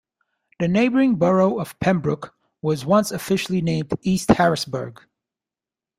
The neighboring Borough of Penbrook was once officially named "East Harrisburg".